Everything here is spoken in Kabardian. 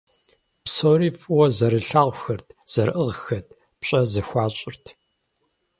Псори фӀыуэ зэрылъагъухэрт, зэрыӀыгъхэт, пщӀэ зэхуащӀырт.